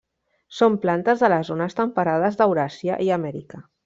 Són plantes de les zones temperades d'Euràsia i Amèrica.